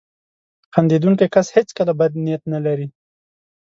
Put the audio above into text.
• خندېدونکی کس هیڅکله بد نیت نه لري.